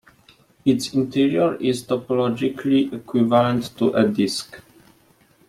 Its interior is topologically equivalent to a disk.